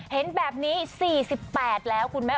เห็นแบบนี้๔๘แล้วคุณแม่